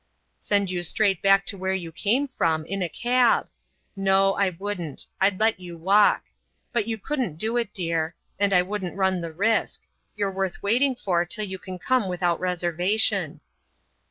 "Send you straight back to where you came from, in a cab. No, I wouldn't; I'd let you walk. But you couldn't do it, dear. And I wouldn't run the risk. You're worth waiting for till you can come without reservation."